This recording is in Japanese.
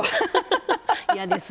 嫌です。